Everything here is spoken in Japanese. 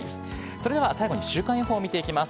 それでは最後に週間予報を見ていきます。